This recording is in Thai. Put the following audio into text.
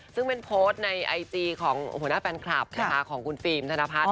ซึ่งเป็นโพสต์ในไอจีของหัวหน้าแฟนคลับนะคะของคุณฟิล์มธนพัฒน์